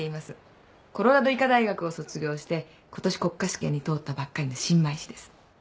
コロラド医科大学を卒業して今年国家試験に通ったばっかりの新米医師です。